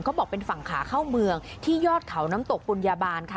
เขาบอกเป็นฝั่งขาเข้าเมืองที่ยอดเขาน้ำตกปุญญาบาลค่ะ